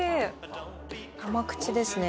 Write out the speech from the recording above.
甘口ですね。